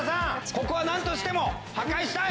ここはなんとしても破壊したい。